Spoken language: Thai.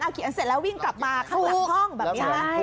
เขียนเสร็จแล้ววิ่งกลับมาข้างหลังห้องแบบนี้นะ